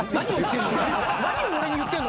何を俺に言ってんの？